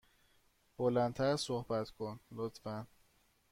بلند تر صحبت کن، لطفا.